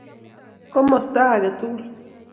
Komosta age tugul.